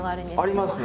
ありますね。